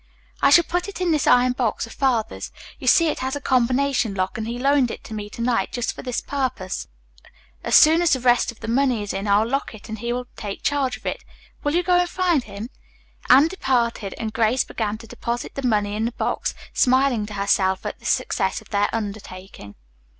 "I shall put it in this iron box of father's. You see, it has a combination lock and he loaned it to me to night just for this purpose. As soon as the rest of the money is in I'll lock it and he will take charge of it. Will you go and find him?" Anne departed and Grace began to deposit the money in the box, smiling to herself at the success of their undertaking.